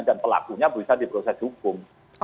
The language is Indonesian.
dan pelakunya bisa diproses hukum